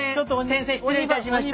先生失礼いたしました。